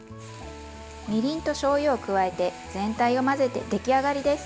みりんとしょうゆを加えて全体を混ぜて出来上がりです。